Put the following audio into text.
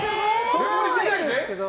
それはできるんですけど。